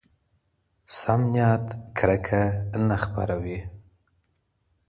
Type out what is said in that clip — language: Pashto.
سم نیت کرکه نه خپروي.